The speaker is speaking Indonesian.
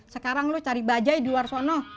sekarang lu cari bajai di luar sono